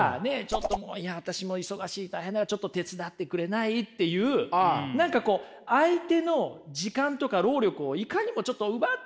ちょっともういや私も忙しい大変だからちょっと手伝ってくれない？っていう何かこう相手の時間とか労力をいかにもちょっと奪ってしまうような頼み方。